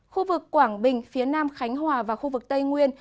khu vực quảng bình phía nam khánh hòa và khu vực tây nguyên